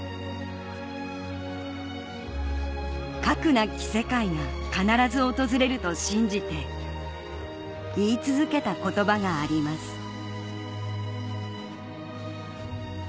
核なき世界が必ず訪れると信じて言い続けた言葉があります